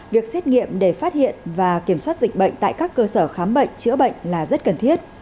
việc xét nghiệm để phát hiện và kiểm soát dịch bệnh tại các cơ sở khám bệnh chữa bệnh là rất cần thiết